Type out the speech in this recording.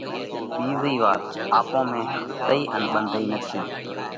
ٻِيزئِي وات آپون ۾ ۿپتئِي ان ٻنڌئِي نٿِي،